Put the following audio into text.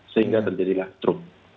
sehingga terjadilah strok